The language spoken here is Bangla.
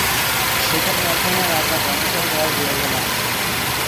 সেখানে এখনো রাজা গণেশের গড় বিরাজমান।